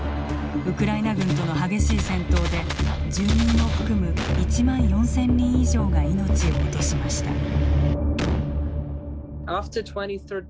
ウクライナ軍との激しい戦闘で住民を含む１万４０００人以上が命を落としました。